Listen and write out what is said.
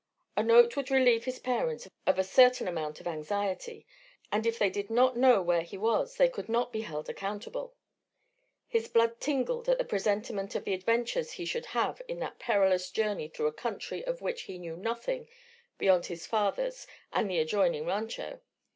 A note would relieve his parents of a certain amount of anxiety; and if they did not know where he was they could not be held accountable. His blood tingled at the presentiment of the adventures he should have in that perilous journey through a country of which he knew nothing beyond his father's and the adjoining rancho.